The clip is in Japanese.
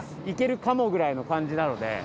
いけるかもぐらいの感じなので。